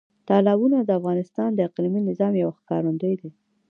تالابونه د افغانستان د اقلیمي نظام یو ښکارندوی دی.